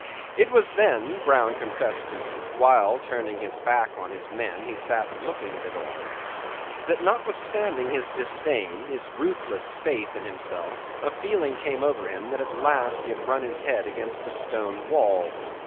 It was then, Brown confessed to me, while, turning his back on his men, he sat looking at it all, that notwithstanding his disdain, his ruthless faith in himself, a feeling came over him that at last he had run his head against a stone wall.